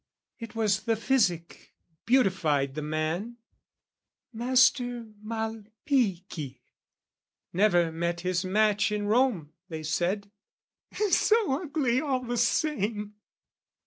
It was the physic beautified the man, Master Malpichi, never met his match In Rome, they said, so ugly all the same!